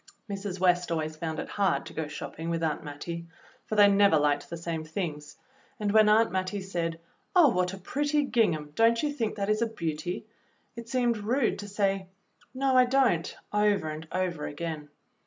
Mrs. West always found it hard to go shopping with Aunt Mattie, for they never hked the same things, and when Aunt Mattie said, "Oh, what a pretty gingham; don't you think that is a beauty?" it seemed rude to say, "No, I don't," over and over again.